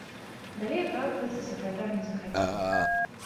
Далей апраўдвацца сакратар не захацеў.